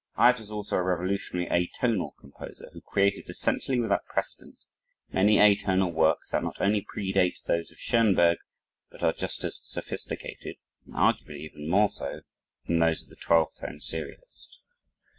Ives was also a revolutionary atonal composer, who created, essentially without precedent, many atonal works that not only pre date those of Schoenberg, but are just as sophisticated, and arguably even more so, than those of the 12 tone serialist.